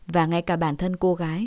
và ngay cả bản thân cô gái